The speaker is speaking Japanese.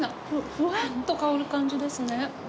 ふわっと香る感じですね。